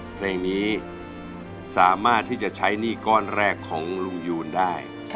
เพลงนี้สามารถที่จะใช้หนี้ก้อนแรกของลุงยูนได้